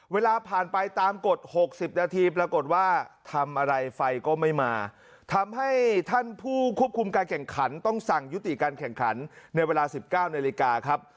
เวลาผ่านไปตามกฎ๖๐นาทีปรากฏว่าทำอะไรไฟก็ไม่มาทำให้ท่านผู้ควบคุมการแข่งขันต้องสั่งยุติการแข่งขันในเวลา๑๙นาฬิกาครับ